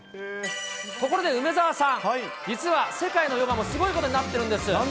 ところで梅澤さん、実は世界のヨガもすごいことになってるんです。